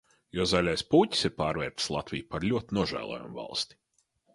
Jo zaļais pūķis ir pārvērtis Latviju par ļoti nožēlojamu valsti.